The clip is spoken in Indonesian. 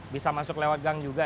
bisa masuk lewat gang juga